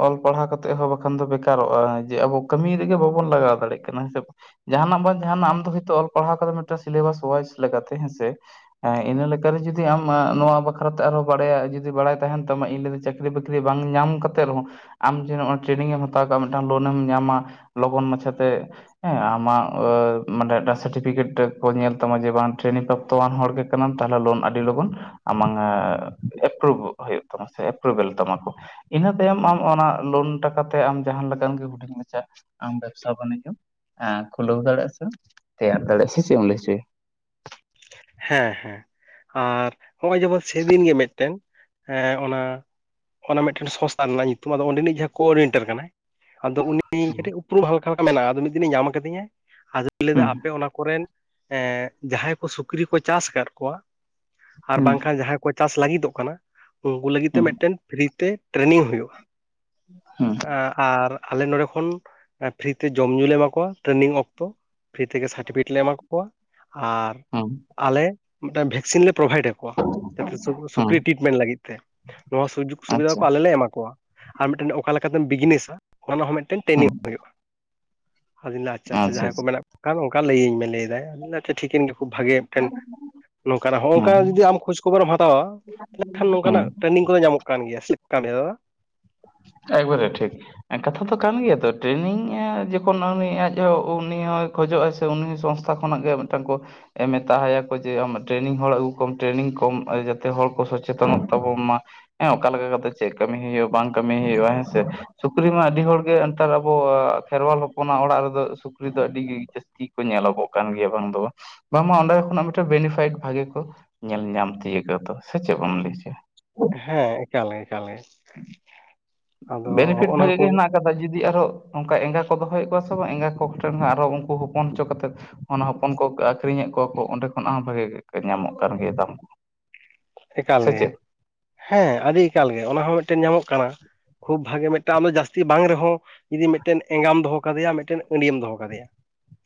ᱚᱞ ᱯᱟᱲᱦᱟᱣ ᱠᱟᱛᱮᱜ ᱦᱚᱸ, ᱵᱟᱠᱷᱟᱱ ᱫᱚ, ᱵᱮᱠᱟᱨᱚᱜᱼᱟ ᱾ ᱡᱮ, ᱟᱵᱚ ᱠᱟᱹᱢᱤ ᱨᱮᱜᱮ, ᱵᱟᱵᱚᱱ ᱞᱟᱜᱟᱣ ᱫᱟᱲᱮᱭᱟᱜ ᱠᱟ ᱾ ᱠᱟᱱᱟ, ᱦᱤᱥᱟᱹᱵ ᱡᱟᱦᱟᱸᱱᱟᱜ ᱵᱟᱝ ᱡᱟᱦᱟᱸᱱᱟᱜ, ᱟᱢ ᱫᱚ ᱚᱞ ᱯᱟᱲᱦᱟᱣ ᱠᱟᱛᱮᱫ, ᱢᱤᱫᱴᱮᱱ ᱥᱤᱞᱮᱵᱟᱥ ᱚᱣᱟᱡ ᱞᱮᱠᱟᱛᱮ, ᱦᱮᱸ ᱥᱮ ᱾ [unintelligible] ᱤᱱᱟᱹ ᱞᱮᱠᱟ ᱨᱮ ᱡᱩᱫᱤ ᱡᱩᱫᱤ ᱟᱢ ᱟᱸ ᱱᱚᱣᱟ ᱵᱟᱠᱷᱨᱟ ᱛᱮ ᱟᱨᱦᱚᱸ ᱵᱟᱲᱟᱭᱟ ᱡᱩᱫᱤ ᱵᱟᱲᱟᱭ ᱛᱟᱦᱮᱱ ᱛᱟᱢᱟ ᱤᱧ [unintelligible] ᱪᱟᱹᱠᱨᱤ ᱵᱟᱹᱠᱨᱤ ᱵᱟᱝ ᱧᱟᱢ ᱠᱟᱛᱮᱫ ᱨᱮᱦᱚᱸ ᱟᱢ ᱡᱮ ᱱᱚᱜᱚᱭ ᱴᱨᱮᱱᱤᱝ ᱮᱢ ᱦᱟᱛᱟᱣᱠᱟᱜᱼᱟ ᱢᱤᱫᱴᱟᱱ ᱞᱳᱱ ᱮᱢ ᱧᱟᱢᱟ ᱞᱚᱜᱚᱱ ᱢᱟᱪᱷᱟ ᱛᱮ ᱾ ᱦᱮᱸ, ᱟᱢᱟᱜ ᱢᱟᱱᱮ ᱢᱤᱫᱴᱟᱝ ᱥᱟᱨᱴᱤᱯᱷᱤᱠᱮᱴ ᱠᱚ ᱧᱮᱞ ᱛᱟᱢᱟ ᱡᱮ ᱵᱟᱝ ᱴᱨᱮᱱᱤᱝ ᱛᱚ ᱟᱢ ᱦᱚᱲ ᱜᱮ ᱠᱟᱱᱟᱢ, ᱛᱟᱦᱚᱞᱮ ᱞᱳᱱ ᱟᱹᱰᱤ ᱞᱚᱜᱚᱱ ᱟᱢᱟᱝ ᱮᱯᱨᱩᱵᱷ ᱦᱩᱭᱩᱜ ᱦᱩᱭᱩᱜ ᱛᱟᱢᱟ ᱥᱮ ᱮᱯᱨᱩᱵᱷᱮᱞ ᱛᱟᱢᱟ ᱠᱚ ᱾ ᱤᱱᱟᱹ ᱛᱟᱭᱚᱢ ᱟᱢ ᱚᱱᱟ ᱞᱳᱱ ᱴᱟᱠᱟ ᱛᱮ ᱟᱢ ᱡᱟᱦᱟᱸ ᱞᱮᱠᱟᱱ ᱜᱮ ᱦᱩᱰᱤᱧ ᱢᱟᱪᱷᱟ ᱟᱢ ᱵᱮᱵᱥᱟ ᱵᱟᱱᱤᱡᱡᱚᱢ ᱮᱸ ᱠᱷᱩᱞᱟᱹᱣ ᱫᱟᱲᱮᱭᱟᱜᱼᱟ ᱥᱮᱢ ᱛᱮᱭᱟᱨ ᱫᱟᱲᱮᱭᱟᱜᱼᱟ, ᱥᱮ ᱪᱮᱫ ᱮᱢ ᱞᱟᱹᱭ ᱦᱚᱪᱚᱭᱟ? ᱦᱮᱸ ᱦᱮᱸ, ᱟᱨ ᱱᱚᱜᱼᱚᱭ ᱡᱮᱢᱚᱱ ᱥᱮᱫᱤᱱ ᱜᱮ ᱢᱤᱫᱴᱮᱱ ᱮ ᱚᱱᱟ ᱚᱱᱟ ᱢᱤᱫᱴᱮᱱ ᱥᱚᱝᱥᱛᱷᱟ ᱨᱮᱱᱟᱜ ᱧᱩᱛᱩᱢ ᱾ ᱟᱫᱚ ᱚᱸᱰᱮᱱᱤᱡ ᱡᱟᱦᱟᱸᱭ ᱠᱳᱚᱨᱰᱤᱱᱮᱴᱟᱨ ᱠᱟᱱᱟᱭ ᱟᱫᱚ ᱩᱱᱤ ᱩᱱᱤ ᱠᱟᱹᱴᱤᱡ ᱩᱯᱨᱩᱢ ᱦᱟᱞᱠᱟ ᱦᱟᱞᱠᱟ ᱢᱮᱱᱟᱜᱼᱟ ᱾ ᱟᱫᱚ ᱢᱤᱫ ᱫᱤᱱᱮ ᱧᱟᱢ ᱟᱠᱟᱫᱤᱧᱟᱭ, ᱟᱫᱚ ᱞᱟᱹᱭ ᱮᱫᱟ ᱦᱩᱸ ᱟᱯᱮ ᱚᱱᱟ ᱠᱚᱨᱮᱱ ᱦᱮᱸ ᱡᱟᱦᱟᱸᱭ ᱠᱚ ᱥᱩᱠᱨᱤ ᱠᱚ ᱪᱟᱥ ᱟᱠᱟᱫ ᱠᱚᱣᱟ [inaudible] ᱟᱨ ᱦᱩᱸ ᱵᱟᱝᱠᱷᱟᱱ ᱡᱟᱦᱟᱸᱭ ᱠᱚ ᱪᱟᱥ ᱞᱟᱹᱜᱤᱫᱚᱜ ᱠᱟᱱᱟ, ᱩᱱᱠᱩ ᱞᱟᱹᱜᱤᱫ ᱛᱮ ᱦᱩᱸ ᱢᱤᱫᱴᱮᱱ ᱯᱷᱨᱤ ᱛᱮ ᱴᱨᱮᱱᱤᱝ ᱦᱩᱭᱩᱜᱼᱟ ᱾ ᱦᱩᱸ ᱾ ᱮᱸ ᱟᱨ ᱟᱞᱮ ᱱᱚᱰᱮ ᱠᱷᱚᱱ ᱯᱷᱨᱤ ᱛᱮ ᱡᱚᱢ ᱧᱩ ᱞᱮ ᱮᱢᱟ ᱠᱚᱣᱟ ᱴᱨᱮᱱᱤᱝ ᱚᱠᱛᱚ ᱾ ᱯᱷᱨᱤ ᱛᱮᱜᱮ ᱥᱟᱨᱴᱤᱯᱷᱤᱠᱮᱴ ᱞᱮ ᱮᱢᱟ ᱠᱚᱣᱟ ᱟᱨ ᱦᱩᱸ ᱟᱞᱮ ᱢᱤᱫᱴᱮᱱ ᱵᱷᱮᱠᱥᱤᱱ ᱞᱮ ᱯᱨᱳᱵᱷᱟᱭᱤᱰ ᱟᱠᱚᱣᱟ, ᱡᱟᱛᱮ ᱦᱩᱸ ᱥᱩᱠᱨᱤ ᱴᱨᱤᱴᱢᱮᱱᱴ ᱞᱟᱹᱜᱤᱫ ᱛᱮ ᱱᱚᱣᱟ ᱥᱩᱡᱳᱜᱽ ᱥᱩᱵᱤᱫᱷᱟ ᱟᱪᱪᱷᱟ ᱠᱚ ᱟᱞᱮ ᱞᱮ ᱮᱢᱟ ᱠᱚᱣᱟ ᱾ ᱟᱨ ᱢᱤᱫᱴᱮᱱ ᱚᱠᱟ ᱞᱮᱠᱟᱛᱮᱢ ᱵᱤᱡᱽᱱᱮᱥᱟ ᱚᱱᱟ ᱦᱚᱸ ᱢᱤᱫᱴᱮᱱ ᱴᱨᱮᱱᱤᱝ ᱦᱩᱸ ᱦᱩᱭᱩᱜᱼᱟ ᱾ [inaudible] ᱟᱪᱪᱷᱟ ᱟᱪᱪᱷᱟ, ᱡᱟᱦᱟᱸᱭ ᱠᱚ ᱢᱮᱱᱟᱜ ᱠᱚ ᱠᱷᱟᱱ ᱚᱱᱠᱟ ᱞᱟᱹᱭᱟᱹᱧ ᱢᱮ ᱞᱟᱹᱭᱮᱫᱟ ᱟ ᱴᱷᱤᱠᱮᱱ ᱜᱮ ᱠᱷᱩᱵ ᱵᱷᱟᱜᱮ ᱾ ᱴᱷᱮᱱ [inaudible] ᱱᱚᱝᱠᱟᱱᱟᱜ ᱦᱚᱸᱜᱼᱚ ᱱᱚᱝᱠᱟ ᱦᱩᱸ ᱡᱩᱫᱤ ᱟᱢ ᱠᱷᱳᱡᱽ ᱠᱷᱚᱵᱚᱨᱮᱢ ᱦᱟᱛᱟᱣᱟ ᱛᱟᱦᱚᱞ ᱠᱷᱟᱱ ᱦᱩᱸ ᱱᱚᱝᱠᱟᱱᱟᱜ ᱴᱨᱮᱱᱤᱝ ᱠᱚᱫᱚ ᱧᱟᱢᱚᱜ ᱠᱟᱱ ᱜᱮᱭᱟ [unintelligible] ᱮᱠᱵᱟᱨᱮ ᱴᱷᱤᱠ ᱾ ᱠᱟᱛᱷᱟ ᱫᱚ ᱠᱟᱱ ᱜᱮᱭᱟ ᱛᱚ ᱴᱨᱮᱱᱤᱝ ᱡᱚᱠᱷᱚᱱ ᱩᱱᱤ ᱟᱡ ᱦᱚᱸ ᱩᱱᱤ ᱦᱚᱸᱭ ᱠᱷᱚᱡᱚᱜᱼᱟᱭ ᱥᱮ ᱩᱱᱤ ᱦᱚᱸ ᱥᱚᱝᱥᱛᱷᱟ ᱠᱷᱚᱱᱟᱜ ᱜᱮ ᱢᱤᱫᱴᱟᱝ ᱠᱚ ᱮᱢ ᱢᱮᱛᱭᱟᱠᱚ ᱡᱮ ᱟᱢᱟᱜ ᱴᱨᱮᱱᱤᱝ ᱦᱚᱲ ᱟᱹᱜᱩ ᱠᱚᱢ ᱴᱨᱮᱱᱤᱝ ᱠᱚᱢ ᱡᱟᱛᱮ ᱦᱚᱲ ᱠᱚ ᱥᱚᱪᱮᱛᱚᱱᱚᱜ ᱛᱟᱵᱚᱱ ᱢᱟ ᱾ ᱦᱮᱸ, ᱚᱠᱟ ᱞᱮᱠᱟ ᱠᱟᱛᱮ ᱪᱮᱫ ᱠᱟᱹᱢᱤ ᱦᱩᱭᱩᱜᱼᱟ ᱵᱟᱝ ᱠᱟᱹᱢᱤ ᱦᱩᱭᱩᱜᱼᱟ ᱦᱮᱸ ᱥᱮ ᱾ ᱥᱩᱠᱨᱤ ᱢᱟ ᱟᱹᱰᱤ ᱦᱚᱲ ᱜᱮ ᱱᱮᱛᱟᱨ ᱟᱵᱚ ᱠᱷᱮᱨᱣᱟᱞ ᱦᱚᱯᱚᱱᱟᱜ ᱚᱲᱟᱜ ᱨᱮ ᱫᱚ ᱥᱩᱠᱨᱤ ᱫᱚ ᱟᱹᱰᱤ ᱜᱮ ᱡᱟᱹᱥᱛᱤ ᱧᱮᱞᱚᱜᱚᱜ ᱠᱟᱱ ᱜᱮᱭᱟ ᱵᱟᱝ ᱫᱚ ᱵᱟᱝ ᱾ ᱵᱟᱝᱢᱟ ᱚᱸᱰᱮ ᱠᱷᱚᱱᱟᱜ ᱢᱤᱫᱴᱮᱱ ᱵᱮᱱᱤᱯᱟᱭᱤᱴ ᱵᱷᱟᱜᱮ ᱠᱚ ᱧᱮᱞ ᱧᱟᱢ [unintelligible] ᱥᱮ ᱪᱮᱫ ᱵᱟᱢ ᱞᱟᱹᱭ ᱚᱪᱚᱭᱟ ᱾ ᱦᱮᱸ, ᱮᱠᱟᱞ ᱮᱠᱟᱞ ᱜᱮ ᱾ ᱵᱮᱱᱤᱯᱷᱤᱴ ᱵᱷᱟᱜᱮ ᱜᱮ ᱠᱚᱜᱮ ᱦᱮᱱᱟᱜ ᱡᱩᱫᱤ ᱟᱨᱚ ᱚᱱᱠᱟ ᱮᱸᱜᱟ ᱠᱚ ᱫᱚᱦᱚᱭᱮᱫ ᱠᱚᱣᱟ ᱥᱮ ᱵᱟᱝ ᱮᱸᱜᱟ ᱠᱚᱴᱷᱮᱱ ᱟᱨᱚ ᱩᱱᱠᱩ ᱦᱚᱯᱚᱱ ᱦᱚᱪᱚ ᱠᱟᱛᱮ ᱚᱱᱟ ᱦᱚᱯᱚᱱ ᱠᱚ ᱟᱹᱠᱷᱨᱤᱧᱮᱫ ᱠᱚᱣᱟ ᱠᱚ ᱚᱸᱰᱮ ᱠᱷᱚᱱᱟᱜ ᱦᱚᱸ ᱵᱷᱟᱜᱤ ᱧᱟᱢᱚᱜ ᱠᱟᱱ ᱜᱮᱭᱟ ᱫᱟᱢ ᱠᱚ ᱾ ᱮᱠᱟᱞ ᱜᱮ ᱾ [inaudible] ᱦᱮᱸ, ᱟᱹᱰᱤ ᱮᱠᱟᱞ ᱜᱮ, ᱚᱱᱟ ᱦᱚᱸ ᱢᱤᱫᱴᱮᱱ ᱧᱟᱢᱚᱜ ᱠᱟᱱᱟ ᱾ ᱠᱷᱩᱵ ᱵᱷᱟᱜᱮ ᱢᱤᱫᱴᱟᱝ ᱟᱢᱫᱚ ᱡᱟᱹᱥᱛᱤ ᱵᱟᱝ ᱨᱮᱦᱚᱸ ᱡᱩᱫᱤ ᱢᱤᱫᱴᱮᱱ ᱮᱸᱜᱟᱢ ᱫᱚᱦᱚ ᱠᱟᱫᱮᱭᱟ, ᱢᱤᱫᱴᱮᱱ ᱟᱺᱰᱤᱭᱟᱢ ᱫᱚᱦᱚ ᱠᱟᱫᱮᱭᱟ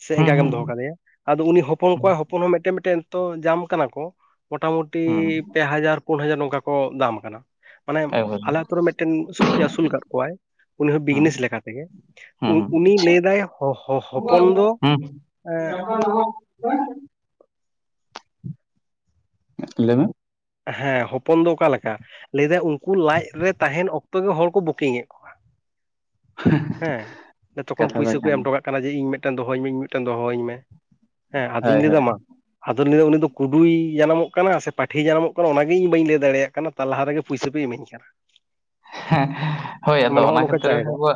ᱥᱮ ᱦᱩᱸ ᱮᱸᱜᱟ ᱜᱮᱢ ᱦᱩᱸ ᱫᱚᱦᱚ ᱠᱟᱫᱮᱭᱟ ᱾ ᱟᱫᱚ ᱩᱱᱤ ᱦᱚᱯᱚᱱ ᱦᱩᱸ ᱠᱚᱣᱟᱭ, ᱦᱚᱯᱚᱱ ᱦᱚᱸ ᱢᱤᱫᱴᱮᱱ ᱢᱤᱫᱴᱮᱱ ᱛᱚ ᱡᱟᱢ ᱠᱟᱱᱟ ᱠᱚ ᱢᱚᱴᱟᱢᱩᱴᱤ ᱦᱩᱸ ᱯᱮ ᱦᱟᱡᱟᱨ ᱯᱩᱱ ᱦᱟᱡᱟᱨ ᱱᱚᱝᱠᱟ ᱠᱚ ᱫᱟᱢ ᱟᱠᱟᱱᱟ ᱾ ᱢᱟᱱᱮ ᱮᱠᱵᱟᱨᱮ ᱟᱞᱮ ᱟᱛᱩ ᱨᱮ ᱢᱤᱫᱴᱮᱱ ᱥᱩᱠᱨᱤ ᱟᱹᱥᱩᱞ ᱟᱠᱟᱫ ᱠᱚᱣᱟᱭ ᱩᱱᱤ ᱦᱚᱸ ᱦᱩᱸ ᱵᱤᱡᱽᱱᱮᱥ ᱞᱮᱠᱟ ᱞᱮᱠᱟᱛᱮ ᱜᱮ ᱾ ᱦᱩᱸ ᱩᱱ ᱦᱩᱸ ᱩᱱᱤ ᱞᱟᱹᱭ ᱮᱫᱟᱭ ᱦᱚ ᱦᱚᱯᱚᱱ ᱫᱚ ᱮᱸ ᱟᱨᱦᱚᱸ ᱞᱟᱹᱭ ᱢᱮ ᱦᱮᱸ, ᱦᱚᱯᱚᱱ ᱫᱚ ᱚᱠᱟ ᱞᱮᱠᱟ? ᱞᱟᱹᱭ ᱮᱫᱟᱭ ᱩᱱᱠᱩ ᱞᱟᱡ ᱨᱮ ᱛᱟᱦᱮᱱ ᱚᱠᱛᱚ ᱜᱮ ᱦᱚᱲ ᱠᱚ ᱵᱩᱠᱤᱝ ᱮᱫ [inaudible] ᱦᱮᱸ, ᱛᱚᱠᱷᱚᱱ ᱠᱟᱛᱷᱟ ᱫᱚ ᱯᱩᱭᱥᱟᱹ ᱠᱚ ᱠᱟᱱ ᱮᱢ ᱜᱮᱭᱟ ᱦᱚᱴᱚ ᱠᱟᱜ ᱠᱟᱱᱟ ᱡᱮ ᱤᱧ ᱢᱤᱫᱴᱮᱱ ᱫᱚᱦᱚᱟᱹᱧ ᱢᱮ ᱤᱧ ᱢᱤᱫᱴᱮᱱ ᱫᱚᱦᱚᱟᱹᱧ ᱢᱮ, ᱦᱮᱸ ᱟᱫᱚᱧ ᱦᱳᱭ ᱦᱳᱭ ᱞᱟᱹᱭᱟ ᱢᱟ ᱟᱫᱚ ᱞᱟᱹᱭ ᱫᱚ ᱩᱱᱤ ᱫᱚ ᱠᱩᱰᱩᱭ ᱡᱟᱱᱟᱢᱚᱜ ᱠᱟᱱᱟ ᱥᱮ ᱯᱟᱹᱴᱷᱤᱭ ᱡᱟᱱᱟᱢᱚᱜ ᱠᱟᱱᱟ? ᱚᱱᱟ ᱜᱮ ᱤᱧ ᱵᱟᱹᱧ ᱞᱟᱹᱭ ᱫᱟᱲᱮᱭᱟᱜ ᱠᱟᱱᱟ ᱛᱟᱨ ᱞᱟᱦᱟ ᱨᱮᱜᱮ ᱯᱚᱭᱥᱟᱹ ᱯᱮ ᱤᱟᱹᱧ ᱠᱟᱱᱟ ᱾ [inaudible] ᱦᱳᱭ, ᱟᱫᱚ ᱦᱚᱸᱜᱼᱚ ᱚᱱᱟ ᱱᱚᱝᱠᱟ ᱠᱷᱟᱹᱛᱤᱨ ᱪᱟᱭᱫᱟ ᱟᱵᱚᱣᱟᱜ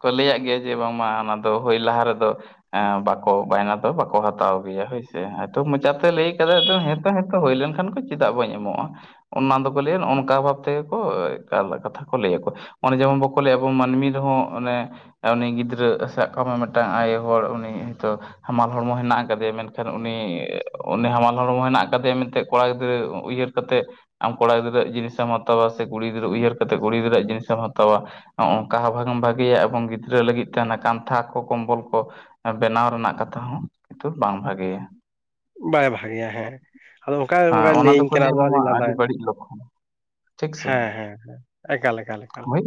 ᱠᱚ ᱞᱟᱹᱭᱟᱜ ᱜᱮᱭᱟ ᱡᱮ ᱵᱟᱝᱢᱟ ᱚᱱᱟ ᱫᱚ ᱦᱩᱭ ᱞᱟᱦᱟ ᱨᱮᱫᱚ ᱦᱮᱸ ᱵᱟᱠᱚ ᱵᱟᱭᱱᱟ ᱫᱚ ᱵᱟᱠᱚ ᱦᱟᱛᱟᱣ ᱜᱮᱭᱟ ᱦᱳᱭ ᱥᱮ ᱛᱚ ᱢᱚᱪᱟᱛᱮ ᱞᱟᱹᱭ ᱠᱟᱫᱟᱭ ᱦᱮᱸ ᱛᱚ ᱦᱩᱭ ᱞᱮᱱᱠᱷᱟᱱ ᱠᱚ ᱪᱮᱫᱟᱜ ᱵᱟᱹᱧ ᱮᱢᱚᱜᱼᱟ ᱾ ᱚᱱᱟ ᱫᱚᱠᱚ ᱞᱟᱹᱭᱟ ᱚᱱᱠᱟ ᱵᱷᱟᱵ ᱛᱮᱜᱮ ᱠᱚ ᱠᱟᱛᱷᱟ ᱠᱚ ᱞᱟᱹ ᱟᱠᱚ ᱚᱱᱮ ᱡᱮᱢᱚᱱ ᱵᱟᱠᱚ ᱞᱟᱹᱭᱟ ᱟᱵᱚ ᱢᱟᱹᱱᱢᱤ ᱨᱮᱦᱚᱸ ᱚᱱᱮ ᱩᱱᱤ ᱜᱤᱫᱽᱨᱟᱹ ᱥᱟᱵ ᱠᱟᱜ ᱢᱮ ᱢᱤᱫᱴᱟᱝ ᱟᱭᱳ ᱦᱚᱲ ᱩᱱᱤ ᱦᱚᱭᱛᱳ ᱦᱟᱢᱟᱞ ᱦᱚᱲᱢᱚ ᱦᱮᱱᱟᱜ ᱟᱠᱟ ᱫᱮᱭᱟ ᱢᱮᱱᱠᱷᱟᱱ ᱩᱱᱤ ᱩᱱᱤ ᱦᱟᱢᱟᱞ ᱦᱚᱲᱢᱚ ᱦᱮᱱᱟᱜ ᱟᱠᱟ ᱫᱮᱭᱟ ᱢᱮᱱᱛᱮᱫ ᱠᱚᱲᱟ ᱜᱤᱫᱽᱨᱟᱹ ᱩᱭᱦᱟᱹᱨ ᱠᱟᱛᱮᱜ ᱟᱢ ᱠᱚᱲᱟ ᱜᱤᱫᱽᱨᱟᱹ ᱟᱨ ᱡᱤᱱᱤᱥᱮᱢ ᱦᱟᱛᱟᱣᱟ ᱥᱮ ᱠᱩᱲᱤ ᱜᱤᱫᱨᱟᱹ ᱩᱭᱦᱟᱹᱨ ᱠᱟᱛᱮ ᱠᱩᱲᱤ ᱜᱤᱫᱽᱨᱟᱹ ᱡᱤᱱᱤᱥᱮᱢ ᱦᱟᱛᱟᱣᱟ, ᱱᱚᱜᱚ ᱱᱚᱝᱠᱟ ᱦᱚᱸ ᱵᱟᱝ ᱵᱷᱟᱹᱜᱤᱭᱟ ᱮᱵᱚᱝ ᱜᱤᱫᱽᱨᱟᱹ ᱞᱟᱹᱜᱤᱫ ᱛᱮ ᱚᱱᱟ ᱠᱟᱱᱛᱷᱟ ᱠᱚ ᱠᱚᱢᱵᱚᱞ ᱠᱚ ᱵᱮᱱᱟᱣ ᱨᱮᱱᱟᱜ ᱠᱟᱛᱷᱟ ᱦᱚᱸ ᱠᱤᱱᱛᱩ ᱵᱟᱝ ᱵᱷᱟᱹᱜᱮᱭᱟ ᱾ ᱵᱟᱭ ᱵᱷᱟᱜᱮᱭᱟ ᱦᱮᱸ ᱟᱫᱚ ᱚᱱᱠᱟ ᱦᱮᱸ ᱚᱱᱠᱟᱭ ᱚᱱᱟ ᱞᱟᱹᱭᱟᱹᱧ ᱫᱚᱠᱚ ᱠᱟᱱᱟ ᱞᱟᱹᱭᱟ ᱟᱫᱚ ᱵᱟᱝ ᱢᱟ ᱟᱫᱚᱧ ᱟᱹᱰᱤ ᱞᱟᱸᱫᱟᱭ ᱵᱟᱹᱲᱤᱡ ᱞᱚᱠᱷᱱ ᱾ ᱦᱮᱸ ᱦᱮᱸ ᱮᱠᱟᱞ ᱮᱠᱟᱞ ᱾ ᱦᱚᱭ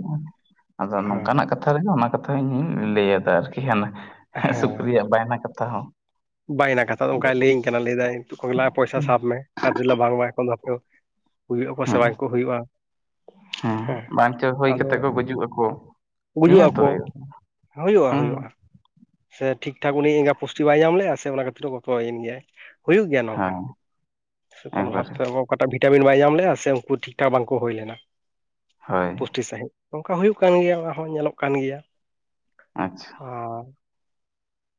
ᱟᱫᱚ ᱱᱚᱝᱠᱟ ᱱᱟᱜ ᱠᱟᱛᱷᱟ ᱨᱮᱜᱮ ᱚᱱᱟ ᱠᱟᱛᱷᱟᱧ ᱞᱟᱹᱭ ᱟᱫᱟ ᱟᱨᱠᱤ ᱾ ᱦᱮᱸ ᱥᱩᱠᱨᱤᱭᱟᱜ ᱵᱟᱭᱱᱟ ᱠᱟᱛᱷᱟ ᱦᱚᱸ ᱵᱟᱭᱱᱟ ᱠᱟᱛᱷᱟ ᱟᱫᱚ ᱚᱱᱠᱟᱭ ᱞᱟᱹᱭᱟᱹᱧ ᱠᱟᱱᱟ ᱞᱟᱹᱭᱮᱫᱟᱭ ᱠᱚᱭᱞᱟ ᱯᱚᱭᱥᱟ ᱥᱟᱵ ᱢᱮ ᱟᱨ ᱞᱟᱹᱭ ᱮᱫᱟ ᱵᱟᱝ ᱵᱟᱝ ᱮᱠᱷᱚᱱ ᱦᱩᱭᱩᱜ ᱟᱠᱚ ᱥᱮ ᱵᱟᱝ ᱠᱚ ᱦᱩᱭᱩᱜᱼᱟ ᱾ ᱦᱩᱸ ᱵᱟᱝᱪᱚ ᱦᱳᱭ ᱟᱫᱚ ᱠᱟᱛᱮᱜ ᱠᱚ ᱜᱩᱡᱩᱜ ᱟᱠᱚ, ᱜᱩᱡᱩᱜ ᱱᱤᱭᱟᱹᱛᱚ ᱟᱠᱚ ᱦᱩᱭᱩᱜ-ᱟ ᱦᱩᱭᱩᱜᱼᱟ ᱦᱢᱸ ᱦᱩᱭᱩᱜᱼᱟ ᱥᱮ ᱴᱷᱤᱠ ᱴᱷᱟᱠ ᱩᱱᱤ ᱮᱸᱜᱟ ᱯᱩᱥᱴᱤ ᱵᱟᱭ ᱧᱟᱢ ᱞᱮᱼᱟ ᱥᱮ ᱚᱱᱟ ᱠᱷᱟᱹᱛᱤᱨ ᱮ ᱜᱚᱛᱚᱭᱮᱱ ᱜᱮᱭᱟᱭ ᱾ ᱦᱩᱭᱩᱜ ᱜᱮᱭᱟ ᱱᱚᱝᱠᱟ ᱦᱮᱸ ᱥᱮᱛᱚᱱᱚ ᱮᱠᱵᱟᱨᱮ ᱵᱷᱟᱵᱛᱮ ᱦᱚ ᱚᱠᱟᱴᱟᱜ ᱵᱷᱤᱴᱟᱢᱤᱱ ᱵᱟᱭ ᱧᱟᱢ ᱞᱮᱼᱟ ᱥᱮ ᱩᱱᱠᱩ ᱴᱷᱤᱠ ᱴᱷᱟᱠ ᱵᱟᱝᱠᱚ ᱦᱩᱭ ᱞᱮᱱᱟ ᱦᱳᱭ ᱯᱩᱥᱴᱤ ᱥᱟᱺᱦᱤᱡ ᱾ ᱚᱝᱠᱟ ᱦᱩᱭᱩᱜ ᱠᱟᱱ ᱜᱮᱭᱟ ᱚᱱᱟ ᱦᱚᱸ ᱧᱮᱞᱚᱜ ᱠᱟᱱ ᱜᱮᱭᱟ ᱾ ᱟᱪᱪᱷᱟ ᱾ ᱚ